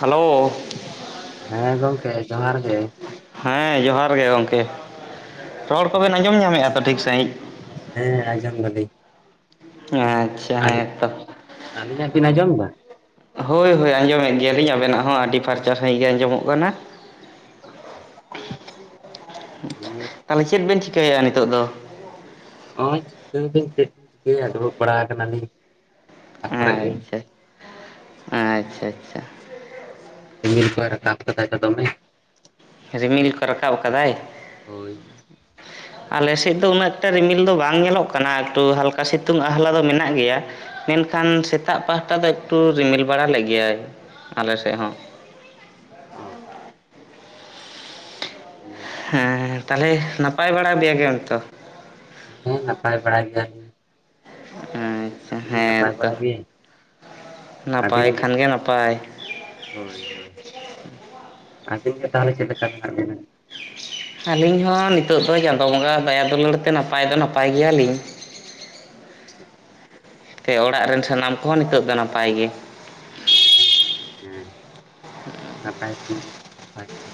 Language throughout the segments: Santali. ᱦᱮᱞᱳ᱾ ᱦᱮᱸ ᱜᱚᱝᱠᱮ ᱡᱚᱦᱟᱨ ᱜᱮ᱾ ᱦᱮᱸ ᱡᱚᱦᱟᱨ ᱜᱮ ᱜᱚᱢᱠᱮ ᱨᱚᱲ ᱠᱚᱵᱮᱱ ᱟᱸᱡᱚᱢ ᱧᱟᱢᱮᱜᱼᱟ ᱛᱚ ᱴᱷᱤᱠ ᱥᱟᱺᱦᱤᱡ᱾ ᱦᱮᱸ, ᱟᱡᱚᱢ ᱫᱟᱞᱤᱧ᱾ ᱟᱪᱪᱷᱟ ᱦᱮᱸ ᱛᱚ᱾ ᱟᱹᱞᱤᱧᱟᱜ ᱵᱤᱱ ᱟᱸᱡᱚᱢ ᱮᱫᱟ? ᱦᱳᱭ ᱦᱳᱭ ᱟᱸᱡᱚᱢᱮᱜ ᱜᱮᱭᱟ ᱞᱤᱧ ᱟᱵᱮᱱᱟᱜ ᱦᱚᱸ ᱟᱹᱰᱤ ᱯᱷᱟᱨᱪᱟ ᱥᱟᱺᱦᱤᱡ ᱜᱮ ᱟᱸᱡᱚᱢᱚᱜ ᱠᱟᱱᱟ᱾ [inaudible] ᱛᱟᱦᱚᱞᱮ ᱪᱮᱫ ᱵᱮᱱ ᱪᱤᱠᱟᱹᱭᱮᱜᱼᱟ ᱱᱤᱛᱚᱜ ᱫᱚ? ᱚᱸᱭ [inaudible] ᱫᱩᱲᱩᱵ ᱵᱟᱲᱟ ᱠᱟᱱᱟ ᱞᱤᱧ᱾ ᱟᱪᱪᱷᱟ, ᱟᱪᱪᱷᱟ ᱟᱪᱪᱷᱟ᱾ ᱨᱤᱢᱤᱞ ᱠᱚᱭ ᱨᱟᱠᱟᱵ ᱠᱟᱫᱟᱭ ᱛᱚ ᱫᱚᱢᱮ᱾ ᱨᱤᱢᱤᱞ ᱠᱚ ᱨᱟᱠᱟᱵ ᱠᱟᱫᱟᱭ᱾ ᱦᱳᱭ᱾ [inaudible] ᱟᱞᱮ ᱥᱮᱫ ᱫᱚ ᱩᱱᱟᱹᱜ ᱮᱠᱴᱟ ᱨᱤᱢᱤᱞ ᱫᱚ ᱵᱟᱝ ᱧᱮᱞᱚᱜ ᱠᱟᱱᱟ ᱮᱠᱴᱩ ᱦᱟᱞᱠᱟ ᱥᱤᱛᱩᱝ ᱟᱦᱟᱞᱟ ᱫᱚ ᱢᱮᱱᱟᱜ ᱜᱮᱭᱟ᱾ ᱢᱮᱱᱠᱷᱟᱱ ᱥᱮᱛᱟᱜ ᱯᱟᱦᱴᱟ ᱫᱚ ᱮᱠᱴᱩ ᱨᱤᱢᱤᱞ ᱵᱟᱲᱟ ᱞᱮᱜ ᱜᱮᱭᱟᱭ ᱟᱞᱮ ᱥᱮᱜ ᱦᱚᱸ᱾ ᱚ᱾ ᱤᱭᱟᱹ ᱦᱮᱸ ᱛᱟᱦᱚᱞᱮ ᱱᱟᱯᱟᱭ ᱵᱟᱲᱟ ᱵᱮ ᱜᱮᱢ ᱛᱚ᱾ ᱦᱮᱸ, ᱱᱟᱯᱟᱭ ᱵᱟᱲᱟ ᱜᱮ᱾ ᱟᱪᱪᱷᱟ ᱱᱟᱯᱟᱭ ᱦᱮᱸᱛᱚ ᱵᱟᱲᱟ ᱜᱮ ᱱᱟᱯᱟᱭ ᱟᱹᱵᱤᱱ ᱠᱷᱟᱱ ᱜᱮ ᱱᱟᱯᱟᱭ᱾ ᱦᱳᱭ, ᱦᱳᱭ, ᱟᱵᱤᱱ ᱜᱮ ᱛᱟᱦᱚᱞᱮ ᱪᱮᱫ ᱞᱮᱠᱟ ᱢᱮᱱᱟᱜ ᱵᱤᱱᱟ? ᱟᱹᱞᱤᱧ ᱦᱚᱸ ᱱᱤᱛᱚᱜ ᱫᱚ ᱪᱟᱸᱫᱳ ᱵᱚᱸᱜᱟᱼᱟᱜ ᱫᱟᱭᱟ ᱫᱩᱞᱟᱹᱲ ᱛᱮ ᱱᱟᱯᱟᱭ ᱫᱚ ᱱᱟᱯᱟᱭ ᱜᱮᱭᱟ ᱞᱤᱧ᱾ [inaudible] ᱛᱮ ᱚᱲᱟᱜ ᱨᱮᱱ ᱥᱟᱱᱟᱢ ᱠᱚᱦᱚᱸ ᱱᱤᱛᱚᱜ ᱫᱚ ᱱᱟᱯᱟᱭ ᱜᱮ᱾ ᱚᱸ ᱦᱮᱸ ᱱᱟᱯᱟᱭ ᱠᱷᱟᱱ ᱵᱷᱟᱜᱮ ᱜᱮ᱾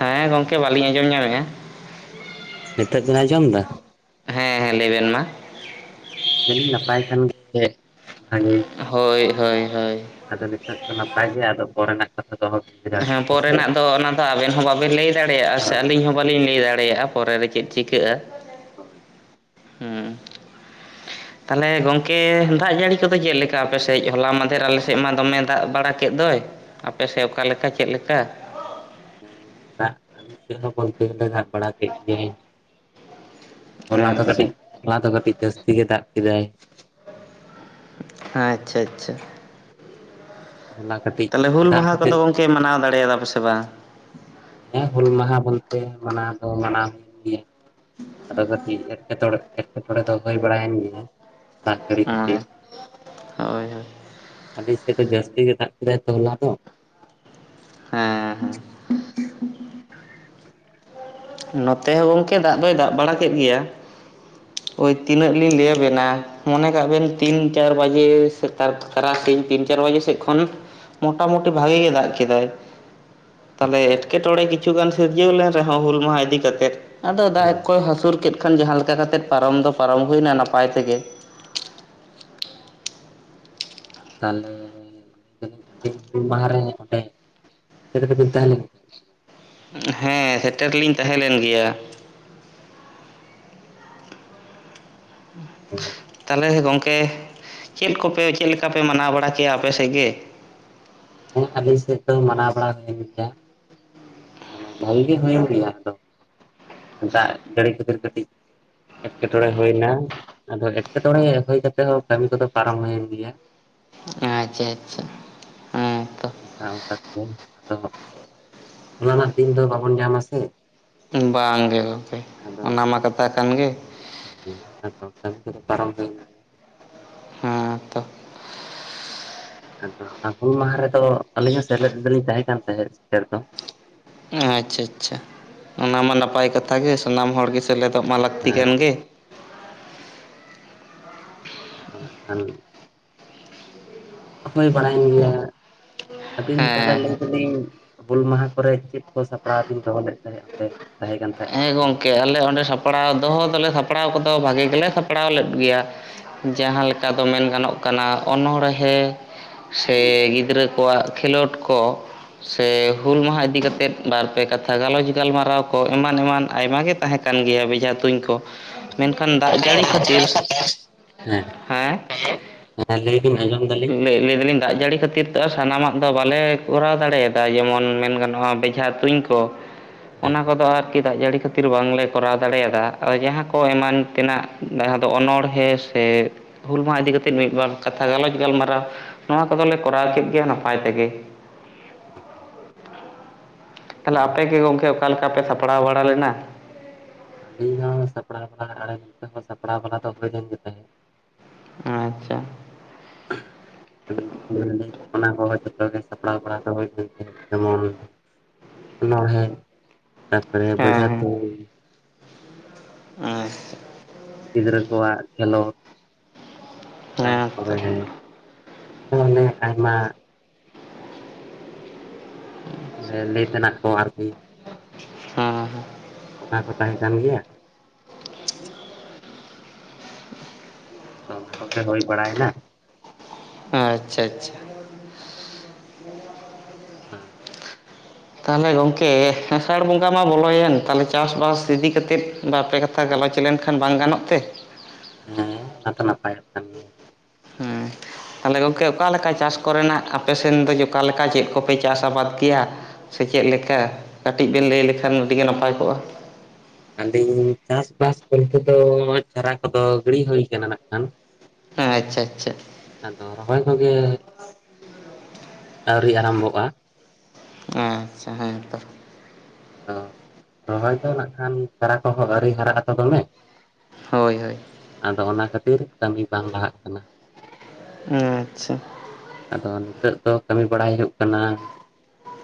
ᱦᱮᱸ ᱜᱚᱢᱠᱮ ᱵᱟᱹᱞᱤᱧ ᱟᱸᱡᱚᱢ ᱧᱟᱢᱮᱜᱼᱟ᱾ ᱧᱤᱛᱚᱜ ᱵᱤᱱ ᱟᱸᱡᱚᱢ ᱫᱟ? ᱦᱮᱸ ᱦᱮᱸ ᱞᱟᱹᱭᱵᱤᱱ ᱢᱟ᱾ ᱫᱟᱞᱤᱞ ᱱᱟᱯᱟᱭ ᱠᱷᱟᱱ ᱜᱮ ᱵᱷᱟᱜᱤ᱾ ᱦᱳᱭ, ᱦᱳᱭ, ᱦᱳᱭ᱾ ᱟᱫᱚ ᱱᱤᱛᱚᱜ ᱫᱚ ᱱᱟᱯᱟᱭ ᱜᱮ, ᱟᱫᱚ ᱯᱚᱨᱮᱱᱟᱜ ᱠᱟᱛᱷᱟ ᱫᱚ ᱚᱦᱚ ᱵᱤᱱ ᱞᱟᱹᱭ ᱫᱟᱲᱮ ᱦᱮᱸ, ᱠᱮᱭᱟ ᱥᱮ ᱦᱳᱭ ᱯᱚᱨᱮᱱᱟᱜ ᱫᱚ ᱚᱱᱟ ᱫᱚ ᱟᱵᱮᱱ ᱦᱚᱸ ᱵᱟᱵᱮᱱ ᱞᱟᱹᱭ ᱫᱟᱲᱮᱭᱟᱜᱼᱟ ᱥᱮ ᱟᱹᱞᱤᱧ ᱦᱚᱸ ᱵᱟᱹᱞᱤᱧ ᱞᱟᱹᱭ ᱫᱟᱲᱮᱭᱟᱜᱼᱟ᱾ ᱯᱚᱨᱮ ᱫᱚ ᱪᱮᱫ ᱪᱤᱠᱟᱹᱜᱼᱟ᱾ ᱦᱳᱭ᱾ ᱦᱩᱸ᱾ ᱛᱟᱦᱚᱞᱮ ᱜᱚᱝᱠᱮ ᱫᱟᱜ ᱡᱟᱹᱲᱤ ᱠᱚᱫᱚ ᱪᱮᱜ ᱞᱮᱠᱟ ᱟᱯᱮ ᱥᱮᱡ ᱦᱚᱞᱟ ᱢᱟᱸᱫᱷᱮᱨ ᱟᱞᱮ ᱥᱮᱜ ᱢᱟ ᱫᱚᱢᱮ ᱫᱟᱜ ᱵᱟᱲᱟ ᱠᱮᱫ ᱫᱚᱭ᱾ ᱟᱯ ᱥᱮᱫ ᱚᱠᱟᱞᱮᱠᱟ ᱪᱮᱫᱮᱠᱟ᱾ ᱦᱮᱸ ᱫᱟᱜ [unintelligible] ᱜᱮᱞᱮ ᱫᱟᱜ ᱵᱟᱲᱟ ᱠᱮᱫ ᱜᱮᱭᱟᱭ ᱦᱚᱞᱟ ᱫᱚ ᱟᱪᱪᱷᱟ ᱠᱟᱹᱴᱤᱡ, ᱦᱚᱞᱟ ᱫᱚ ᱠᱟᱹᱴᱤᱡ, ᱡᱟᱹᱥᱛᱤ ᱜᱮ ᱫᱟᱜ ᱠᱮᱫᱟᱭ᱾ ᱟᱪᱪᱷᱟ - ᱟᱪᱪᱷᱟ ᱦᱚᱞᱟ ᱠᱟᱹᱴᱤᱡ ᱛᱟᱦᱚᱞᱮ ᱦᱩᱞ ᱫᱟᱜ ᱢᱟᱦᱟ ᱠᱚᱫᱚ ᱠᱟᱛᱮᱫ ᱜᱚᱝᱠᱮ ᱢᱟᱱᱟᱣ ᱫᱟᱲᱮᱭᱟᱫᱼᱟ ᱯᱮᱥᱮ ᱵᱟᱝ? ᱦᱮᱸ ᱦᱩᱞ ᱢᱟᱦᱟ ᱵᱚᱞᱛᱮ ᱢᱟᱱᱟᱣ ᱫᱚ ᱢᱟᱱᱟᱣ ᱜᱮᱭᱟ ᱟᱫᱚ ᱠᱟᱹᱴᱤᱡ ᱮᱴᱠᱮᱼᱴᱚᱲᱮ ᱮᱴᱠᱮᱴᱚᱬᱮ ᱫᱚ ᱦᱩᱭ ᱵᱟᱲᱟᱭᱮᱱ ᱜᱮ ᱫᱟᱜ ᱡᱟᱲᱤ ᱠᱷᱟᱹᱛᱤᱨ ᱦᱳᱭ ᱦᱳᱭ ᱦᱮᱸ ᱟᱞᱮ ᱥᱮᱫ ᱫᱚ ᱡᱟᱹᱥᱛᱤ ᱜᱮ ᱫᱟᱜ ᱠᱮᱫᱟᱭ ᱛᱚᱞᱟ ᱫᱚ᱾ ᱦᱮᱸ ᱱᱚᱛᱮ ᱦᱚᱸ ᱜᱚᱝᱠᱮ ᱫᱟᱜ ᱫᱚᱭ ᱫᱟᱵ ᱵᱟᱲᱟ ᱠᱮᱫ ᱜᱮᱭᱟ ᱳᱭ ᱛᱤᱱᱟᱹᱜ ᱞᱤᱧ ᱞᱟᱹᱭ ᱟᱵᱮᱱᱟ ᱢᱚᱱᱮ ᱠᱟᱜ ᱵᱮᱱ ᱛᱤᱱ ᱪᱟᱨ ᱵᱟᱡᱮ ᱥ ᱛᱟᱨᱟᱥᱤᱧ ᱛᱤᱱ ᱪᱟᱨ ᱵᱟᱡᱮ ᱥᱮᱫ ᱠᱷᱚᱱ ᱢᱳᱴᱟᱢᱩᱴᱤ ᱵᱷᱟᱜᱮ ᱜᱮ ᱫᱟᱜ ᱠᱮᱫᱟᱭ ᱛᱟᱦᱚᱞᱮ ᱮᱴᱠᱮᱴᱚᱬᱮ ᱠᱤᱪᱷᱩ ᱜᱟᱱ ᱥᱤᱨᱡᱟᱹᱣ ᱞᱮᱱ ᱨᱮᱦᱚᱸ, ᱦᱩᱞ ᱢᱟᱦᱟ ᱤᱫᱤ ᱠᱟᱛᱮᱫ ᱟᱫᱚ ᱫᱟᱜ ᱦᱮᱸ ᱠᱚᱭ ᱦᱟᱹᱥᱩᱨ ᱠᱮᱫ ᱠᱷᱟᱱ ᱡᱟᱦᱟᱸ ᱞᱮᱠᱟ ᱠᱟᱛᱮᱫ ᱯᱟᱨᱚᱢ ᱫᱚ ᱯᱟᱨᱚᱢ ᱦᱩᱭᱱᱟ ᱱᱟᱯᱟᱭ ᱛᱮᱜᱮ ᱛᱟᱦᱚᱞᱮ [unintelligible] ᱦᱩᱞ ᱢᱟᱦᱟ ᱨᱮ ᱚᱸᱰᱮ [unintelligible] ᱛᱟᱦᱮᱞᱮᱱᱟ᱾ ᱦᱮᱸ ᱥᱮᱴᱮᱨᱞᱤᱧ ᱛᱟᱦᱮᱸ ᱞᱮᱱ ᱜᱮᱭᱟ [inaudible] ᱛᱟᱦᱚᱞᱮ ᱜᱚᱝᱠᱮ ᱪᱮᱫ ᱠᱚᱯᱮ ᱪᱮᱫ ᱞᱮᱠᱟᱯᱮ ᱢᱟᱱᱟᱣ ᱵᱟᱲᱟ ᱠᱮᱭᱟ ᱟᱯᱮᱥᱮᱫ ᱜᱮ? ᱦᱮᱸ ᱟᱹᱞᱤᱧ ᱥᱮᱫ ᱫᱚ ᱢᱟᱱᱟᱣ ᱵᱟᱲᱟ ᱦᱩᱭᱮᱱ ᱜᱮᱭᱟ ᱢᱟᱱᱮ ᱵᱷᱟᱜᱤ ᱜᱮ ᱦᱩᱭᱩᱜ ᱜᱮᱭᱟ ᱟᱫᱚ ᱫᱟᱜ ᱡᱟᱹᱲᱤ ᱠᱷᱟᱹᱛᱤᱨ ᱠᱟᱹᱴᱤᱡ ᱮᱴᱠᱮᱴᱚᱬᱮ ᱦᱩᱭ ᱮᱱᱟ ᱟᱫᱚ ᱮᱴᱠᱮᱴᱚᱬᱮ ᱦᱩᱭ ᱠᱟᱛᱮᱜ ᱦᱚᱸ ᱠᱟᱹᱢᱤ ᱠᱚᱫᱚ ᱯᱟᱨᱚᱢ ᱦᱩᱭᱮᱱ ᱜᱮᱭᱟ ᱟᱪᱪᱷᱟ - ᱟᱪᱪᱷᱟ ᱦᱮᱸ ᱛᱚ ᱚᱱᱠᱟ ᱚᱱᱠᱟ ᱛᱮᱜᱮ ᱟᱫᱚ ᱚᱱᱟᱢᱟ ᱫᱤᱱ ᱫᱚ ᱵᱟᱵᱚᱱ ᱧᱟᱢᱟ ᱥᱮ ᱵᱟᱝ ᱜᱮ ᱜᱚᱝᱠᱮ ᱟᱫᱚ ᱚᱱᱟ ᱢᱟ ᱠᱟᱛᱷᱟ ᱠᱟᱱ ᱜᱮ [unintelligible] ᱯᱟᱨᱚᱢ ᱦᱩᱭᱮᱱ ᱜᱮᱭᱟ ᱦᱮᱸ ᱛᱚ ᱟᱫᱚ ᱚᱱᱟ ᱦᱩᱞ ᱢᱟᱦᱟ ᱨᱮᱫᱚ ᱟᱹᱞᱤᱧ ᱦᱚᱸ ᱥᱮᱞᱮᱫ ᱫᱚᱞᱤᱧ ᱛᱟᱦᱮᱸ ᱠᱟᱱ ᱛᱟᱦᱮᱸᱫ ᱥᱮᱴᱮᱨ ᱫᱚ ᱟᱪᱪᱷᱟᱼᱟᱪᱪᱷᱟ ᱚᱱᱟ ᱢᱟ ᱱᱟᱯᱟᱭ ᱠᱟᱛᱷᱟ ᱜᱮ, ᱥᱟᱱᱟᱢ ᱦᱚᱲ ᱜᱮ ᱥᱮᱞᱮᱫᱚᱜ ᱢᱟ ᱞᱟᱹᱠᱛᱤ ᱠᱟᱱ ᱦᱮᱸ ᱜᱮ ᱟᱫᱚ ᱱᱟᱜ ᱠᱷᱟᱱ ᱚᱠᱚᱭ ᱵᱟᱲᱟᱭᱮᱱ ᱜᱮᱭᱟ ᱟᱹᱵᱤᱱ ᱛᱟᱦᱚᱞᱮ ᱦᱮᱸ ᱞᱟᱹᱭ ᱫᱟᱞᱤᱧ ᱦᱩᱞ ᱢᱟᱦᱟ ᱠᱚᱨᱮ ᱪᱮᱫ ᱠᱚ ᱥᱟᱯᱲᱟᱣ ᱵᱤᱱ ᱫᱚᱦᱚ ᱞᱮᱫ? ᱛᱟᱦᱮᱸᱫ ᱚᱸᱰᱮ ᱛᱟᱦᱮᱸ ᱠᱟᱱ ᱛᱟᱦᱮᱸᱫ ᱟᱹᱵᱤᱱ ᱦᱮᱸ ᱴᱷᱮᱱ ᱜᱚᱝᱠᱮ ᱟᱞᱮ ᱚᱸᱰᱮ ᱥᱟᱯ ᱥᱟᱯᱲᱟᱣ ᱫᱚᱦᱚ ᱫᱚᱞᱮ ᱥᱟᱯᱲᱟᱣ ᱠᱚᱫᱚ ᱵᱷᱟᱜᱮ ᱜᱮᱞᱮ ᱥᱟᱯᱲᱟᱣ ᱞᱮᱫ ᱜᱮᱭᱟ ᱡᱟᱦᱟᱸ ᱞᱮᱠᱟ ᱫᱚ ᱢᱮᱱ ᱜᱟᱱᱚᱜ ᱠᱟᱱᱟ ᱚᱱᱚᱬᱦᱮᱸ ᱥᱮ ᱜᱤᱫᱽᱨᱟᱹ ᱠᱚᱣᱟᱜ ᱠᱷᱮᱞᱳᱰ ᱠᱚ ᱥᱮ ᱦᱩᱞ ᱢᱟᱦᱟ ᱤᱫᱤ ᱠᱟᱛᱮᱫ ᱵᱟᱨᱯᱮ ᱠᱟᱛᱷᱟ ᱜᱟᱞᱚᱪ ᱜᱟᱞᱢᱟᱨᱟᱣ ᱠᱚ ᱮᱢᱟᱱ ᱮᱢᱟᱱ ᱟᱭᱢᱟ ᱜᱮ ᱛᱟᱦᱮᱸ ᱠᱟᱱ ᱜᱮᱭᱟ ᱵᱮᱡᱟ ᱛᱩᱧ ᱠᱚ ᱢᱮᱱᱠᱷᱟᱱ ᱫᱟᱜ ᱡᱟᱹᱲᱤ ᱠᱷᱟᱹᱛᱤᱨ ᱦᱮᱸ ᱦᱮᱸ ᱞᱟᱹᱭ ᱵᱤᱱ ᱟᱸᱡᱚᱢ ᱫᱟᱞᱤᱧ ᱞᱟᱹᱭ ᱞᱟᱹᱭ ᱫᱟᱞᱤᱧ ᱫᱟᱜ ᱡᱟᱹᱲᱤ ᱠᱷᱟᱹᱛᱤᱨ ᱛᱮ ᱥᱟᱱᱟᱢᱟ-ᱜ ᱫᱚ ᱵᱟᱞᱮ ᱠᱚᱨᱟᱣ ᱫᱟᱲᱮᱭᱟᱫᱼᱟ ᱡᱮᱢᱚᱱ ᱢᱮᱱ ᱜᱟᱱᱚᱜᱼᱟ ᱵᱮᱡᱷᱟ ᱛᱩᱧ ᱠᱚᱼᱼ ᱦᱮᱸ ᱚᱱᱟ ᱠᱚᱫᱚ ᱟᱨᱠᱤ ᱫᱟᱜ ᱡᱟᱹᱲᱤ ᱠᱷᱟᱹᱛᱤᱨ ᱵᱟᱝ ᱞᱮ ᱠᱚᱨᱟᱣ ᱫᱟᱲᱮᱭᱟᱫᱼᱟ ᱟᱫᱚ ᱡᱟᱦᱟᱸ ᱠᱚ ᱮᱢᱟᱱ ᱛᱮᱱᱟᱜ ᱡᱟᱦᱟᱸ ᱫᱚ ᱚᱱᱬᱦᱮᱸ ᱥᱮ ᱦᱩᱞ ᱢᱟᱦᱟ ᱤᱫᱤ ᱠᱟᱛᱮᱫ ᱢᱤᱫ ᱵᱟᱨ ᱠᱟᱛᱷᱟ ᱜᱟᱞᱚᱪ ᱜᱟᱞᱢᱟᱨᱟᱣ ᱱᱚᱣᱟ ᱠᱚᱫᱚᱞᱮ ᱠᱚᱨᱟᱣ ᱠᱮᱫ ᱜᱮᱭᱟ ᱱᱟᱯᱟᱭ ᱛᱮᱜᱮ ᱛᱟᱦᱚᱞᱮ ᱟᱯᱮ ᱜᱮ ᱜᱚᱢᱠᱮ ᱚᱠᱟ ᱞᱮᱠᱟ ᱯᱮ ᱥᱟᱯᱲᱟᱣ ᱵᱟᱲᱟ ᱞᱮᱱᱟ? [unintelligible] ᱥᱟᱯᱲᱟᱣ ᱵᱟᱞᱟ ᱟᱨ ᱱᱚᱛ ᱦᱚᱸ ᱥᱟᱯᱲᱟᱣ ᱵᱟᱲᱟ ᱫᱚ ᱦᱩᱭ ᱞᱮᱱ ᱜᱮ ᱛᱟᱦᱮᱸᱫ ᱟᱪᱪᱷᱟ [unintelligible] ᱚᱱᱟ ᱠᱚ ᱡᱚᱛᱚᱜ ᱜᱮ ᱥᱟᱯᱲᱟᱣ ᱵᱟᱲᱟ ᱡᱮᱢᱚᱱ ᱚᱱᱟᱬᱦᱮ, ᱛᱟᱨᱯᱚᱨᱮ ᱵᱮᱡᱷᱟ ᱦᱮᱸ ᱦᱮᱸ ᱛᱩᱧ [unintelligible] ᱜᱤᱫᱽᱨᱟᱹ ᱠᱚᱣᱟᱜ ᱠᱷᱮᱞᱳᱰ ᱦᱮᱸ ᱛᱚ ᱛᱟᱨᱯᱚᱨᱮ ᱜᱮ ᱚᱱᱮ ᱟᱭᱢᱟᱼᱼ ᱟᱰᱮ ᱞᱟᱹᱭ ᱛᱮᱱᱟᱜ ᱠᱚ ᱟᱨᱠᱤ᱾ ᱦᱮᱸ᱾ ᱚᱱᱟ ᱠᱚ ᱛᱟᱦᱮᱸ ᱠᱟᱱ ᱜᱮᱭᱟ᱾ ᱚᱱᱟ ᱠᱚ ᱜᱮ ᱦᱩᱭ ᱵᱟᱲᱟᱭᱮᱱᱟ᱾ ᱟᱪᱪᱷᱟ ᱟᱪᱪᱷᱟ᱾ [unintelligible] ᱛᱟᱦᱚᱞᱮ ᱜᱚᱢᱠᱮ ᱟᱥᱟᱲ ᱵᱚᱸᱜᱟ ᱢᱟ ᱵᱚᱞᱚᱭᱮᱱ ᱛᱟᱦᱚᱞᱮ ᱪᱟᱥᱵᱟᱥ ᱤᱫᱤ ᱠᱟᱛᱮᱫᱼᱼ ᱵᱟᱨ ᱯᱮ ᱠᱟᱛᱷᱟ ᱜᱟᱞᱚᱪ ᱞᱮᱱᱠᱷᱟᱱ ᱵᱟᱝ ᱜᱟᱱᱚᱜ ᱛᱮ? ᱦᱮᱸ ᱚᱱᱟ ᱫᱚ ᱱᱟᱯᱟᱭᱚᱜ ᱠᱟᱱ ᱜᱮᱭᱟ᱾ [unintelligible] ᱛᱟᱞᱮ ᱜᱚᱢᱠᱮ ᱚᱠᱟ ᱞᱮᱠᱟ ᱪᱟᱥ ᱠᱚ ᱨᱮᱱᱟᱜ ᱟᱯᱮ ᱥᱮᱱ ᱫᱚ ᱚᱠᱟ ᱞᱮᱠᱟ ᱪᱮᱫ ᱠᱚᱯᱮ ᱪᱟᱥ ᱟᱵᱟᱫ ᱜᱮᱭᱟ? ᱥᱮ ᱪᱮᱫ ᱞᱮᱠᱟ ᱠᱟᱹᱴᱤᱡ ᱵᱮᱱ ᱞᱟᱹᱭ ᱞᱮᱠᱷᱟᱱ ᱟᱹᱰᱤ ᱜᱮ ᱱᱟᱯᱟᱭ ᱠᱚᱜᱼᱟ᱾ ᱟᱹᱞᱤᱧ ᱪᱟᱥᱵᱟᱥ ᱠᱚᱨᱮ ᱛᱮᱫᱚ ᱪᱟᱨᱟ ᱠᱚᱫᱚ ᱜᱤᱲᱤ ᱦᱩᱭ ᱠᱟᱱᱟ ᱱᱟᱜ ᱠᱷᱟᱱ᱾ ᱟᱪᱪᱷᱟ ᱟᱪᱪᱷᱟ᱾ ᱟᱫᱚ ᱨᱚᱦᱚᱭ ᱠᱚᱜᱮ ᱟᱹᱣᱨᱤ ᱟᱨᱟᱢᱵᱚᱜᱼᱟ᱾ ᱟᱪᱪᱷᱟ ᱦᱮᱸ ᱛᱚ᱾ ᱚ ᱨᱚᱦᱚᱭ ᱫᱚ ᱱᱟᱜ ᱠᱷᱟᱱ ᱪᱟᱨᱟ ᱠᱚᱦᱚᱸ ᱟᱹᱨᱤ ᱦᱟᱨᱟᱜ ᱟᱛᱚ ᱫᱚᱢᱮ᱾ ᱦᱳᱭ ᱦᱳᱭ᱾ ᱟᱫᱚ ᱚᱱᱟ ᱠᱷᱟᱹᱛᱤᱨ ᱠᱟᱹᱢᱤ ᱵᱟᱝ ᱞᱟᱦᱟᱜ ᱠᱟᱱᱟ᱾ ᱟᱪᱪᱷᱟ᱾ ᱟᱫᱚ ᱱᱤᱛᱚᱜ ᱫᱚ ᱠᱟᱹᱢᱤ ᱵᱟᱲᱟᱭ ᱦᱩᱭᱩᱜ ᱠᱟᱱᱟ᱾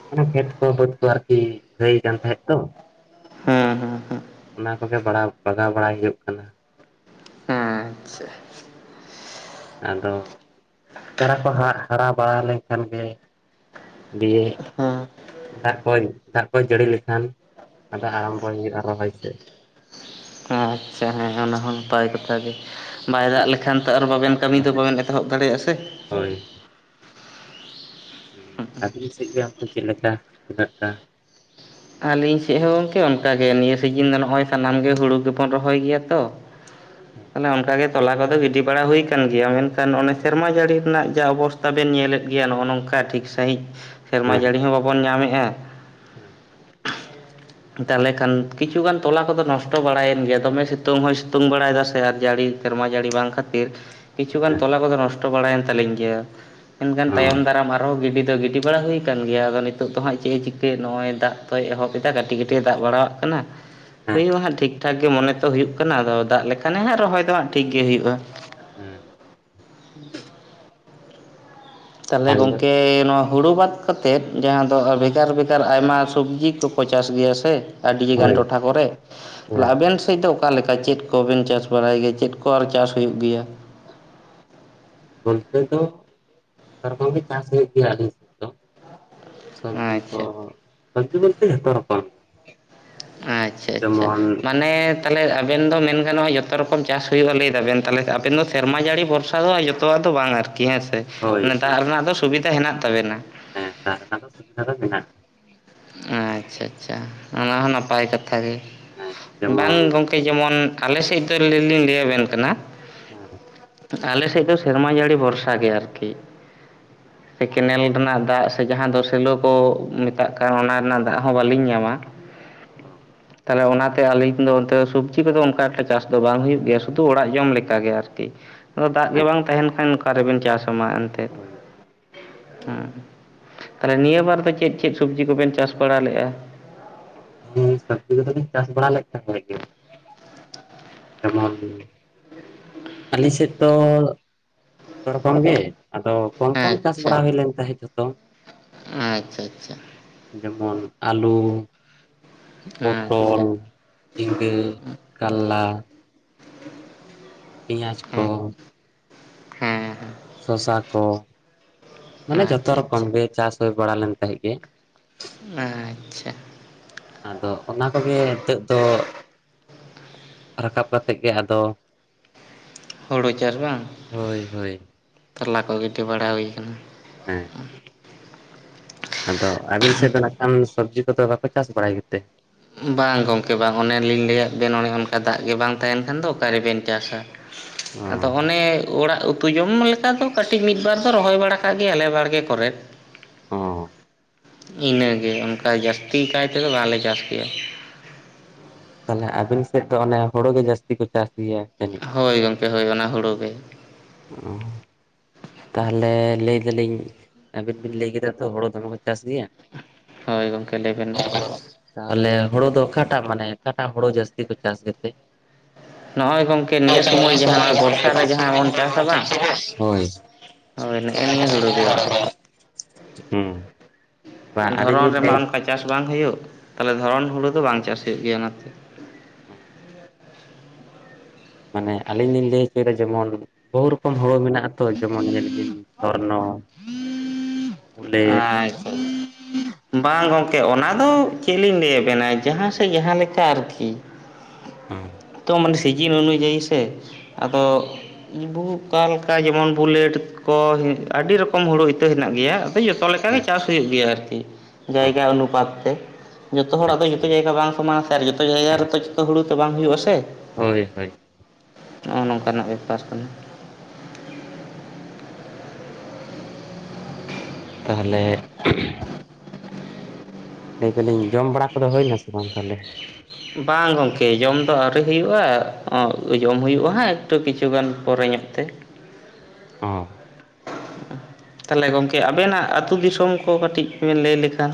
ᱢᱟᱱᱮ ᱠᱷᱮᱛ ᱠᱚ ᱵᱟᱹᱫᱽ ᱠᱚ ᱟᱨᱠᱤ ᱜᱷᱟᱹᱭ ᱠᱟᱱᱟ ᱛᱟᱦᱮᱸᱫ ᱛᱚ᱾ ᱦᱮᱸ ᱦᱮᱸ ᱦᱮᱸ᱾ ᱚᱱᱟ ᱠᱚᱜᱮ ᱵᱟᱲᱟᱣ ᱵᱟᱜᱟᱣ ᱵᱟᱲᱟᱭ ᱦᱩᱭᱩᱜ ᱠᱟᱱᱟ᱾ ᱦᱮᱸ ᱟᱪᱪᱷᱟ᱾ ᱟᱫᱚ ᱪᱟᱨᱟ ᱠᱚ ᱦᱟᱜ ᱦᱟᱨᱟ ᱵᱟᱲᱟ ᱞᱮᱱᱠᱷᱟᱱ ᱜᱮᱼᱼ ᱫᱤᱭᱮ ᱦᱮᱸ ᱫᱟᱜ ᱠᱚᱧᱼᱼ ᱫᱟᱜ ᱠᱚᱭ ᱡᱟᱹᱲᱤ ᱞᱮᱠᱷᱟᱱ ᱟᱫᱚ ᱟᱨᱟᱢᱵᱚᱭ ᱦᱩᱭᱩᱜᱼᱟ, ᱨᱚᱦᱚᱭ ᱥᱮᱫ᱾ ᱟᱪᱪᱷᱟ ᱦᱮᱸ ᱚᱱᱟ ᱦᱚᱸ ᱱᱟᱯᱟᱭ ᱠᱟᱛᱷᱟ ᱜᱮ, ᱵᱟᱭ ᱫᱟᱜ ᱞᱮᱠᱷᱟᱱ ᱛᱚ ᱟᱨ ᱵᱟᱵᱮᱱᱼᱼ ᱠᱟᱹᱢᱤ ᱫᱚ ᱵᱟᱵᱮᱱ ᱮᱛᱚᱦᱚᱵ ᱫᱟᱲᱮᱭᱟᱜᱼᱟ ᱥᱮ᱾ ᱦᱳᱭ᱾ ᱟᱹᱵᱤᱱ ᱥᱮᱫ ᱜᱮ ᱚᱱᱛᱮ ᱪᱮᱫ ᱞᱮᱠᱟ [unintelligible] ᱟᱹᱞᱤᱧ ᱥᱮᱫ ᱦᱚᱸ ᱜᱚᱝᱠᱮ ᱚᱱᱠᱟ ᱜᱮ ᱱᱤᱭᱟᱹ ᱥᱤᱡᱤᱱ ᱫᱚ ᱱᱚᱜᱼᱚᱭ ᱥᱟᱱᱟᱢ ᱜᱮ ᱦᱩᱲᱩ ᱜᱮᱵᱚᱱ ᱨᱚᱦᱚᱭ ᱜᱮᱭᱟ ᱛᱚ᱾ ᱦᱮᱸ᱾ ᱛᱟᱦᱚᱞᱮ ᱚᱱᱠᱟ ᱜᱮ ᱛᱚᱞᱟ ᱠᱚᱫᱚ ᱜᱤᱰᱤ ᱵᱟᱲᱟ ᱦᱩᱭ ᱟᱠᱟᱱ ᱜᱮᱭᱟ, ᱢᱮᱱᱠᱷᱟᱱ ᱚᱱᱮ ᱥᱮᱨᱢᱟ ᱡᱟᱹᱲᱤ ᱨᱮᱱᱟᱜ ᱡᱟ ᱚᱵᱚᱥᱼᱼ ᱛᱟ ᱵᱮᱱ ᱧᱮᱞᱮᱫ ᱜᱮᱭᱟ ᱱᱚᱜᱼᱚ ᱱᱚᱝᱠᱟ ᱴᱷᱤᱠ ᱥᱟᱺᱦᱤᱡ ᱥᱮᱨᱢᱟ ᱦᱮᱸ ᱡᱟᱹᱲᱤ ᱦᱚᱸ ᱵᱟᱵᱚᱱ ᱧᱟᱢᱮᱜᱼᱟ᱾ ᱦᱮᱸ ᱛᱟᱦᱚᱞᱮ ᱠᱷᱟᱱ ᱠᱤᱪᱷᱩᱜᱟᱱ ᱛᱚᱞᱟ ᱠᱚᱫᱚ ᱱᱚᱥᱴᱚ ᱵᱟᱲᱟᱭᱮᱱ ᱜᱮᱭᱟ, ᱫᱚᱢᱮ ᱥᱤᱛᱩᱝ ᱦᱚᱸᱭ ᱥᱤᱛᱩᱝ ᱵᱟᱲᱟᱭᱮᱫᱟ ᱥᱮ ᱟᱨ ᱡᱟᱹᱲᱤᱼᱼ ᱥᱮᱨᱢᱟ ᱡᱟᱹᱲᱤ ᱵᱟᱝ ᱠᱷᱟᱹᱛᱤᱨ ᱠᱤᱪᱷᱩᱩᱜᱟᱱ ᱦᱮᱸ ᱛᱚᱞᱟ ᱠᱚᱫᱚ ᱱᱚᱥᱴᱚ ᱵᱟᱲᱟᱭᱮᱱ ᱛᱟᱹᱞᱤᱧ ᱜᱮᱭᱟ᱾ ᱮᱱᱠᱷᱟᱱ ᱛᱟᱭᱚᱢ ᱫᱟᱨᱟᱢ ᱟᱨᱦᱚᱸ ᱜᱤᱰᱤ ᱫᱚ ᱜᱤᱰᱤ ᱵᱟᱲᱟ ᱦᱩᱭ ᱟᱠᱟᱱ ᱜᱮᱭᱟ ᱟᱫᱚ ᱱᱤᱛᱚᱜ ᱫᱚ ᱦᱟᱸᱜ ᱪᱮᱫ ᱮ ᱪᱤᱠᱟᱹᱭ ᱱᱚᱜᱼᱚᱭ ᱫᱟᱜᱼᱼ ᱡᱚᱛᱚᱭ ᱮᱦᱚᱵ ᱮᱫᱟ ᱠᱟᱹᱴᱤᱡ ᱠᱟᱹᱴᱤᱡ ᱮ ᱫᱟᱜ ᱵᱟᱲᱟᱣᱟᱜ ᱠᱟᱱᱟ ᱦᱮᱸ ᱦᱩᱭᱩᱜᱼᱟ ᱦᱟᱸᱜ ᱴᱷᱤᱠ᱾ ᱴᱷᱟᱠ ᱜᱮ ᱢᱚᱱᱮ ᱛᱚ ᱦᱩᱭᱩᱜ ᱠᱟᱱᱟ, ᱟᱫᱚ ᱫᱟᱜ ᱞᱮᱠᱷᱟᱱ ᱮ ᱦᱟᱸᱜ ᱨᱚᱦᱚᱭ ᱫᱚ ᱦᱟᱜ ᱴᱷᱤᱠ ᱜᱮ ᱦᱩᱭᱩᱜᱼᱟ᱾ ᱦᱮᱸ᱾ [unintelligible] ᱛᱟᱦᱚᱞᱮ ᱦᱮᱸ ᱜᱚᱝᱠᱮ ᱱᱚᱣᱟᱼᱼ ᱦᱩᱲᱩ ᱵᱟᱫ ᱠᱟᱛᱮᱫ ᱡᱟᱦᱟᱸ ᱫᱚ ᱵᱷᱮᱜᱟᱨ ᱵᱷᱮᱜᱟᱨ ᱟᱭᱢᱟ ᱥᱚᱵᱽᱡᱤ ᱠᱚᱠᱚ ᱪᱟᱥ ᱜᱮᱭᱟ ᱥᱮ᱾ ᱟᱹᱰᱤ ᱜᱟᱱ ᱦᱳᱭ ᱴᱚᱴᱷᱟ ᱠᱚᱨᱮ ᱟᱫᱚ ᱦᱮᱸ ᱟᱵᱮᱱᱼᱼ ᱥᱮᱫ ᱫᱚ ᱚᱠᱟ ᱞᱮᱠᱟ ᱪᱮᱫ ᱠᱚ ᱵᱮᱱ ᱪᱟᱥ ᱵᱟᱲᱟᱭ ᱜᱮᱭᱟ, ᱪᱮᱫ ᱠᱚ ᱟᱨ ᱪᱟᱥ ᱦᱩᱭᱩᱜ ᱜᱮᱭᱟ? ᱱᱚᱱᱛᱮ ᱫᱚ ᱥᱟᱨᱟ ᱠᱷᱚᱱ ᱜᱮ ᱪᱟᱥ ᱦᱩᱭᱩᱜ ᱜᱮᱭᱟ ᱫᱚ ᱥᱚᱵᱫᱤ ᱠᱚ ᱟᱪᱪᱷᱟ ᱥᱚᱵᱡᱤ ᱵᱚᱞᱛᱮ ᱡᱮᱛᱚ ᱨᱚᱠᱚᱢ ᱜᱮ ᱟᱪᱪᱷᱟ ᱟᱪᱪᱷᱟ ᱡᱮᱢᱚᱱ ᱢᱟᱱᱮ ᱛᱟᱦᱚᱞᱮ ᱟᱵᱮᱱ ᱫᱚ ᱢᱮᱱ ᱜᱟᱱᱚᱜᱼᱟ ᱡᱚᱛᱚ ᱨᱚᱠᱚᱢ ᱪᱟᱥ ᱦᱩᱭᱩᱜᱼᱟ ᱞᱟᱹᱭ ᱫᱟᱵᱮᱱ ᱛᱟᱦᱚᱞᱮ ᱟᱵᱮᱱ ᱫᱚ ᱥᱮᱨᱢᱟ ᱡᱟᱹᱲᱤ ᱵᱷᱚᱨᱥᱟ ᱫᱚ ᱡᱚᱛᱚᱣᱟᱜ ᱫᱚ ᱵᱟᱝ ᱟᱨᱠᱤ ᱠᱤ ᱦᱮᱸᱥᱮ ᱦᱳᱭ ᱦᱳᱭ ᱫᱟᱜ ᱨᱮᱱᱟᱜ ᱫᱚ ᱥᱩᱵᱤᱫᱷᱟ ᱦᱮᱱᱟᱜ ᱛᱟᱵᱮᱱᱟ ᱦᱮᱸ ᱫᱟᱜ ᱨᱮᱟᱱᱟᱜ ᱫᱚ ᱥᱩᱵᱤᱫᱷᱟ ᱫᱚ ᱢᱮᱱᱟᱜᱼᱟ ᱟᱪᱪᱷᱟ ᱟᱪᱪᱷᱟ ᱚᱱᱟ ᱦᱚᱸ ᱱᱟᱯᱟᱭ ᱠᱟᱛᱷᱟ ᱜᱮ ᱦᱮᱸ ᱵᱟᱝ ᱡᱮᱢᱚᱱ ᱜᱚᱝᱠᱮ ᱡᱮᱢᱚᱱ ᱟᱞᱮ ᱥᱮᱫ ᱫᱚ ᱞᱤᱧ ᱞᱟᱹ ᱟᱵᱮᱱ ᱠᱟᱱᱟ ᱦᱮᱸ ᱟᱞᱮ ᱥᱮᱫ ᱫᱚ ᱥᱮᱨᱢᱟ ᱡᱟᱹᱲᱤ ᱵᱷᱚᱨᱥᱟ ᱜᱮ ᱟᱨᱠᱤ ᱥᱮ ᱠᱮᱱᱮᱞ ᱨᱮᱱᱟᱜ ᱫᱟᱜ ᱡᱟᱦᱟᱸ ᱫᱚ ᱥᱮᱞᱚ ᱠᱚ ᱢᱮᱛᱟᱜ ᱠᱟᱱ ᱚᱱᱟ ᱨᱮᱱᱟᱜ ᱫᱟᱜ ᱦᱚᱸ ᱵᱟᱹᱞᱤᱧ ᱧᱟᱢᱟ ᱛᱟᱦᱚᱞᱮ ᱚᱱᱟᱛᱮ ᱟᱹᱞᱤᱧ ᱫᱚ ᱚᱱᱛᱮ ᱥᱚᱵᱡᱤ ᱠᱚᱫᱚ ᱚᱱᱠᱟ ᱮᱴ ᱪᱟᱥ ᱫᱚ ᱵᱟᱝ ᱦᱩᱭᱩᱜ ᱜᱮᱭᱟ ᱥᱩᱫᱷᱩ ᱚᱲᱟᱜ ᱡᱚᱢ ᱞᱮᱠᱟᱜᱮ ᱟᱨᱠᱤ ᱟᱫᱚ ᱫᱟᱜ ᱜᱮ ᱦᱮᱸ ᱵᱟᱝ ᱛᱟᱦᱮᱱ ᱠᱷᱟᱱ ᱚᱠᱟ ᱨᱮᱵᱮᱱ ᱪᱟᱥ ᱟ ᱢᱟ ᱮᱱᱛᱮᱜ ᱦᱳᱭ ᱦᱮᱸ ᱛᱟᱦᱚᱞᱮ ᱱᱤᱭᱟᱹ ᱵᱟᱨ ᱫᱚ ᱪᱮᱫ ᱪᱮᱫ ᱥᱚᱵᱡᱤ ᱠᱚᱵᱮᱱ ᱪᱟᱥ ᱵᱟᱲᱟ ᱞᱮᱼᱟ ᱦᱩ ᱥᱚᱵᱽᱡᱤ ᱠᱚᱫᱚᱞᱤᱧ ᱪᱟᱥ ᱵᱟᱲᱟ ᱞᱮᱫ ᱛᱟᱦᱮᱸ ᱜᱮ ᱡᱮᱢᱚᱱ ᱟᱞᱮ ᱥᱮᱫ ᱫᱚ ᱡᱚᱛᱚ ᱨᱚᱠᱚᱢ ᱜᱮ ᱟᱫᱚ ᱠᱚᱢ ᱠᱚᱢ ᱪᱟᱥ ᱟᱪᱪᱷᱟ ᱵᱟᱲᱟ ᱦᱩᱭ ᱞᱮᱱ ᱛᱟᱦᱮᱸ ᱡᱚᱛᱚ ᱟᱪᱪᱷᱟ ᱟᱪᱪᱷᱟ ᱡᱮᱢᱚᱱ ᱟᱹᱞᱩ ᱯᱚᱴᱚᱞ ᱟᱪᱪᱷᱟ ᱡᱷᱤᱸᱜᱟᱹ ᱠᱟᱨᱞᱟ ᱯᱮᱸᱭᱟᱡ ᱠᱚ ᱦᱮᱸ ᱦᱮᱸ ᱥᱚᱥᱟ ᱠᱚ ᱢᱟᱱᱮ ᱦᱮᱸ ᱡᱷᱚᱛᱚ ᱟᱪᱪᱷᱟ ᱨᱚᱠᱚᱢ ᱟᱪᱪᱷᱟ ᱜᱮ ᱪᱟᱥ ᱦᱩᱭ ᱵᱟᱲᱟ ᱞᱮᱱ ᱛᱟᱦᱮᱸᱫ ᱜᱮ ᱟᱪᱪᱷᱟ ᱟᱫᱚ ᱚᱱᱟ ᱠᱚᱜᱮ ᱱᱤᱛᱚᱜ ᱫᱚ ᱨᱟᱠᱟᱵ ᱠᱟᱛᱮᱫ ᱜᱮ ᱟᱫᱚ ᱦᱩᱲᱩ ᱪᱟᱥ ᱵᱟᱝ ᱦᱳᱭ ᱦᱳᱭ ᱛᱟᱞᱟ ᱠᱚ ᱜᱤᱰᱤ ᱵᱟᱲᱟ ᱦᱩᱭ ᱠᱟᱱᱟ ᱦᱮᱸ ᱟᱫᱚ ᱟᱵᱤᱱ ᱥᱮᱫ ᱫᱚ ᱱᱟᱜ ᱠᱷᱟᱱ ᱥᱚᱵᱽᱡᱤ ᱠᱚᱫᱚ ᱵᱟᱠᱚ ᱪᱟᱥ ᱵᱟᱲᱟᱭ ᱜᱮᱛᱮ ᱵᱟᱝ ᱜᱚᱢᱠᱮ ᱵᱟᱝ ᱚᱱᱮᱞᱤᱧ ᱞᱟᱹᱭᱟᱫ ᱵᱮᱱ ᱚᱱᱮ ᱚᱱᱠᱟ ᱫᱟᱜ ᱜᱮ ᱵᱟᱝ ᱛᱟᱦᱮᱱ ᱠᱷᱟᱱ ᱫᱚ ᱚᱠᱟ ᱨᱮ ᱵᱮᱱ ᱪᱟᱥᱟ ᱚ ᱟᱫᱚ ᱚᱱᱮ ᱚᱲᱟᱜ ᱩᱛᱩ ᱡᱚᱢ ᱞᱮᱠᱟ ᱫᱚ ᱠᱟᱹᱴᱤᱡ ᱢᱤᱫ ᱵᱟᱨ ᱫᱚ ᱨᱚᱦᱚᱭ ᱵᱟᱲᱟ ᱠᱟᱜ ᱜᱮᱭᱟ ᱞᱮ ᱵᱟᱲᱜᱮ ᱠᱚᱨᱮᱫ ᱚ ᱤᱱᱟᱹᱜᱮ ᱚᱱᱠᱟ ᱡᱟᱹᱥᱛᱤ ᱠᱟᱭ ᱛᱮᱫᱚ ᱵᱟᱞᱮ ᱪᱟᱥ ᱠᱮᱭᱟ ᱛᱟᱦᱚᱞᱮ ᱟᱵᱤᱱ ᱥᱮᱫ ᱫᱚ ᱚᱱᱮ ᱦᱩᱲᱳ ᱜᱮ ᱡᱟᱹᱥᱛᱤ ᱠᱚ ᱪᱟᱥ ᱜᱮᱭᱟ ᱡᱟᱹᱱᱤᱡ ᱦᱳᱭ ᱜᱚᱢᱠᱮ ᱦᱳᱭ ᱚᱱᱟ ᱦᱩᱲᱩ ᱜᱮ ᱚ ᱛᱟᱦᱚᱞᱮ ᱞᱟᱹᱭᱫᱟᱞᱤᱧ ᱟᱵᱤᱱ ᱵᱤᱱ ᱞᱟᱹᱭ ᱠᱮᱫᱟ ᱛᱚ ᱦᱳᱲᱳ ᱫᱚᱢᱮ ᱠᱚ ᱪᱟᱥ ᱜᱮᱭᱟ ᱦᱳᱭ ᱜᱚᱝᱠᱮ ᱞᱟᱹᱭᱵᱮᱱ ᱢᱟ ᱛᱟᱦᱚᱞᱮ ᱦᱩᱲᱩ ᱫᱚ ᱚᱠᱟᱴᱟᱜ ᱢᱟᱱᱮ ᱚᱠᱟᱴᱟᱜ ᱦᱩᱲᱩ ᱡᱟᱹᱥᱛᱤ ᱠᱚ ᱪᱟᱥ ᱜᱮᱛᱮ ᱱᱚᱜᱼᱚᱭ ᱜᱚᱢᱠᱮ ᱱᱤᱭᱟᱹ ᱥᱚᱢᱚᱭ ᱵᱚᱨᱥᱟ ᱨᱮ ᱡᱟᱦᱟᱸ ᱵᱚᱱ ᱪᱟᱥᱟ ᱵᱟᱝ ᱦᱳᱭ ᱦᱳ ᱱᱤᱭᱟᱹ ᱦᱩᱲᱩ ᱜᱮ ᱦᱮᱸ ᱫᱷᱚᱨᱚᱱ ᱨᱮᱢᱟ ᱚᱱᱠᱟ ᱪᱟᱥ ᱵᱟᱝ ᱦᱩᱭᱩᱜ ᱛᱟᱦᱞᱮ ᱫᱷᱚᱨᱚᱱ ᱦᱩᱲᱩ ᱫᱚ ᱵᱟᱝ ᱪᱟᱥ ᱦᱩᱭᱩᱜ ᱜᱮᱭᱟ ᱚᱱᱟᱛᱮ ᱦᱩᱸ ᱢᱟᱱᱮ ᱟᱞᱤᱧ ᱞᱤᱧ ᱞᱟᱹᱭ ᱦᱚᱪᱚᱭᱮᱫᱟ ᱡᱮᱢᱚᱱ ᱵᱚᱦᱩ ᱨᱚᱠᱚᱢ ᱦᱩᱲ ᱢᱮᱱᱟᱜ ᱟᱛᱚ ᱡᱮᱢᱚᱱ ᱧᱮᱞ ᱵᱤᱱ ᱥᱚᱨᱱᱚ ᱵᱩᱞᱮᱴ ᱟᱪᱪᱷᱟ ᱵᱟᱝ ᱜᱚᱢᱠᱮ ᱚᱱᱟ ᱫᱚ ᱪᱮᱫ ᱞᱤᱧ ᱞᱟᱹᱭᱟᱵᱮᱱᱟ ᱡᱟᱦᱟᱸ ᱥᱮᱮᱫ ᱡᱟᱦᱟᱸ ᱞᱮᱠᱟ ᱟᱨᱠᱤ ᱦᱮᱸ ᱛᱚ ᱢᱟᱱᱮ ᱥᱤᱡᱤᱱ ᱚᱱᱩᱡᱟᱭᱤ ᱥᱮ ᱟᱫᱚ ᱵᱚᱠᱟ ᱞᱮᱠᱟ ᱡᱮᱢᱚᱱ ᱵᱩᱞᱮᱴ ᱠᱚ ᱟᱹᱰᱤ ᱨᱚᱠᱚᱢ ᱦᱩᱲᱩ ᱤᱛᱟᱹ ᱦᱮᱱᱟᱜ ᱜᱮᱭᱟ ᱾ ᱡᱚᱛᱚᱠᱟᱜ ᱜᱮ ᱦᱮᱸ ᱪᱟᱥ ᱦᱩᱭᱩᱜ ᱜᱮᱭᱟ ᱟᱨᱠᱤ ᱾ ᱡᱟᱭᱜᱟ ᱟᱱᱩᱯᱟᱛ ᱛᱮ ᱾ ᱡᱚᱛᱚ ᱦᱚᱲᱟᱜ ᱫᱚ ᱟᱪᱪᱷᱟ ᱡᱚᱛᱚ ᱡᱟᱭᱜᱟ ᱵᱟᱝ ᱥᱚᱢᱟᱱᱟ ᱥᱮ, ᱟᱨ ᱡᱚᱛᱚ ᱡᱟᱭᱜᱟ ᱨᱮᱫᱚ ᱡᱚᱛᱚ ᱦᱩᱲᱩ ᱛᱚ ᱵᱟᱝ ᱦᱩᱭᱩᱜᱼᱟ ᱥᱮ ᱾ ᱦᱳᱭ ᱦᱳᱭ ᱱᱚᱜᱼᱚᱭ ᱱᱚᱝᱠᱟᱱᱟᱜ ᱵᱮᱯᱟᱨ ᱠᱟᱱᱟ ᱾ [inaudible] ᱛᱟᱦᱚᱞᱮ [unintelligible] ᱞᱟᱹᱭ ᱫᱟᱞᱤᱧ ᱡᱚᱢ ᱵᱟᱲᱟ ᱠᱚᱫᱚ ᱦᱩᱭᱱᱟᱥᱮ ᱵᱟᱝ ᱛᱟᱦᱚᱞᱮ? ᱵᱟᱝ ᱜᱚᱝᱠᱮ ᱡᱚᱢ ᱫᱚ ᱟᱹᱣᱨᱤ ᱦᱩᱭᱩᱜᱼᱟ, ᱡᱚᱢ ᱦᱩᱭᱩᱜᱼᱟ ᱦᱟᱜᱸ ᱛᱚ ᱠᱤᱪᱷᱩᱩᱜᱟᱱ ᱯᱚᱨᱮ ᱧᱚᱜ ᱛᱮ ᱾ [unintelligible] ᱛᱟᱦᱞᱮ ᱜᱚᱝᱠᱮ ᱟᱵᱮᱱᱟᱜ ᱟᱹᱛᱩ ᱫᱤᱥᱚᱢ ᱠᱚ ᱠᱟᱹᱴᱤᱡ ᱵᱮᱱ ᱞᱟᱹᱭ ᱞᱮᱠᱷᱟᱱ?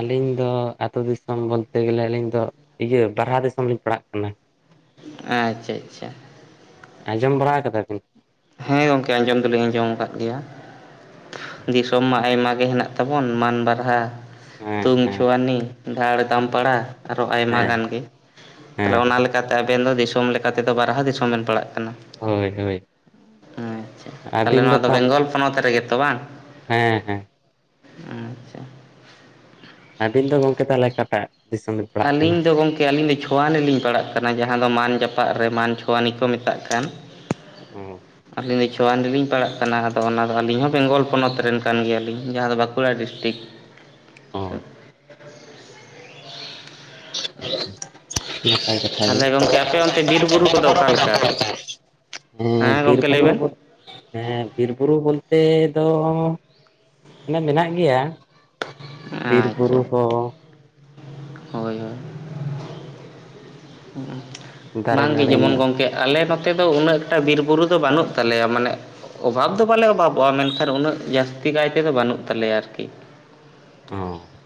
ᱟᱹᱞᱤᱧ ᱫᱚ ᱟᱹᱛᱩᱳ ᱫᱤᱥᱚᱢ ᱵᱚᱞᱛᱮ ᱜᱮᱞᱮ ᱟᱹᱞᱤᱧ ᱫᱚ ᱤᱭᱟᱹ ᱵᱟᱨᱦᱟ ᱫᱤᱥᱚᱢ ᱞᱤᱧ ᱯᱟᱲᱦᱟᱜ ᱠᱟᱱᱟ ᱾ ᱟᱪᱪᱷᱟ ᱟᱪᱪᱷᱟ, ᱟᱸᱡᱚᱢ ᱵᱟᱲᱟ ᱠᱟᱫᱟ ᱵᱤᱱ? ᱦᱳᱭ ᱜᱚᱝᱠᱮ ᱟᱸᱡᱚᱢ ᱫᱚᱞᱤᱧ ᱟᱸᱡᱚᱢ ᱟᱠᱟᱫ ᱜᱮᱭᱟ ᱾ ᱫᱤᱥᱚᱢ ᱢᱟ ᱟᱭᱢᱟ ᱜᱮ ᱦᱮᱱᱟᱜ ᱛᱟᱵᱚᱱ, ᱢᱟᱱ ᱵᱟᱨᱦᱟ, ᱦᱮᱸ ᱛᱩᱝ ᱦᱮᱸ ᱪᱷᱩᱣᱟᱱᱤ, ᱫᱷᱟᱲ ᱫᱟᱢᱯᱟᱲᱟ, ᱟᱨᱚ ᱟᱭᱢᱟ ᱦᱮᱸ ᱜᱟᱱ ᱜᱮ ᱾ ᱛᱟᱦᱚᱞᱮ ᱦᱮᱸ ᱚᱱᱟ ᱞᱮᱠᱟᱛᱮ ᱟᱵᱮᱱ ᱫᱚ ᱫᱤᱥᱚᱢ ᱞᱮᱠᱟᱛᱮᱫᱚ ᱵᱟᱨᱦᱟ ᱫᱤᱥᱚᱢ ᱵᱮᱱ ᱯᱟᱲᱟᱜ ᱠᱟᱱᱟ ᱾ ᱦᱳᱭ ᱦᱳᱭ, ᱟᱪᱪᱷᱟ, ᱛᱟᱦᱚᱞᱮ ᱱᱚᱣᱟ ᱫᱚ ᱵᱮᱝᱜᱚᱞ ᱯᱚᱱᱚᱛ ᱨᱮᱜᱮ ᱛᱚ ᱵᱟᱝ? ᱦᱮᱸ ᱦᱮᱸ ᱟᱪᱪᱷᱟ ᱟᱹᱵᱤᱱ ᱫᱚ ᱜᱚᱝᱠᱮ ᱛᱟᱦᱚᱞᱮ ᱚᱠᱟᱴᱟᱜ ᱫᱤᱥᱚᱢ ᱯᱟᱲᱟᱜ ᱟᱹᱞᱤᱧ ᱠᱟᱱᱟ ᱫᱚ ᱜᱚᱝᱠᱮ ᱟᱹᱞᱤᱧ ᱫᱚ ᱪᱷᱳᱣᱟᱱᱤ ᱞᱤᱧ ᱯᱟᱲᱟᱜ ᱠᱟᱱᱟ, ᱡᱟᱦᱟᱸ ᱫᱚ ᱢᱟᱱ ᱡᱟᱯᱟᱜ ᱨᱮ ᱢᱟᱱ ᱪᱷᱳᱣᱟᱱᱤ ᱠᱚ ᱢᱮᱛᱟᱜ ᱠᱟᱱ, ᱚ ᱟᱞᱤᱧ ᱪᱷᱳᱣᱟᱱ ᱨᱮᱞᱤᱧ ᱯᱟᱲᱟᱜ ᱠᱟᱱᱟ, ᱟᱫᱚ ᱚᱱᱟᱫᱚ ᱟᱹᱞᱤᱧ ᱦᱚᱸ ᱵᱮᱝᱜᱚᱞ ᱯᱚᱱᱚᱛ ᱨᱮᱱ ᱠᱟᱱ ᱜᱮᱭᱟᱞᱤᱧ, ᱡᱟᱦᱟᱸ ᱫᱚ ᱵᱟᱸᱠᱩᱲᱟ ᱰᱤᱥᱴᱤᱠ ᱚ ᱛᱟᱦᱚᱞᱮ ᱜᱚᱢᱠᱮ ᱟᱯᱮ ᱚᱱᱛᱮ ᱵᱤᱨᱼᱵᱩᱨᱩ ᱠᱚᱫᱚ ᱚᱠᱟᱞᱮᱠᱟ [unintelligible] ᱮᱸᱻ ᱦᱮᱸ ᱵᱤᱨ ᱜᱚᱢᱠᱮ ᱞᱟᱹᱭ ᱵᱩᱨᱩ ᱵᱮᱱ ᱦᱮᱸ ᱵᱤᱨ ᱵᱩᱨᱩ ᱵᱚᱞᱛᱮ ᱫᱚ ᱢᱟᱱᱮ ᱢᱮᱱᱟᱜ ᱜᱮᱭᱟ ᱾ ᱵᱤᱨ ᱟᱪᱪᱷᱟ ᱵᱩᱨᱩ ᱠᱚ ᱦᱳᱭ ᱦᱳᱭ, ᱫᱟᱨᱮ ᱵᱟᱝ ᱜᱮ ᱱᱟᱹᱲᱤ ᱡᱮᱢᱚᱱ ᱜᱚᱝᱠᱮ ᱟᱞᱮ ᱱᱚᱛᱮ ᱫᱚ ᱩᱱᱟᱹᱜ ᱮᱴᱟ ᱵᱤᱨᱼᱵᱩᱨᱩ ᱫᱚ ᱵᱟᱹᱱᱩᱜ ᱛᱟᱞᱮᱭᱟ, ᱢᱟᱱᱮ ᱚᱵᱷᱟᱵᱽ ᱫᱚ ᱵᱟᱞᱮ ᱚᱵᱷᱟᱵᱚᱜᱼᱟ ᱢᱮᱱᱠᱷᱟᱱ ᱩᱱᱟᱹᱜ ᱡᱟᱹᱥᱛᱤ ᱜᱟᱭ ᱛᱮᱫᱚ ᱵᱟᱹᱱᱩᱜ ᱛᱟᱞᱮᱭᱟ ᱟᱨᱠᱤ ᱾ [unintelligible]